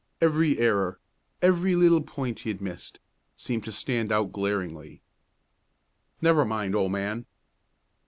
Every error every little point he had missed seemed to stand out glaringly. "Never mind, old man!"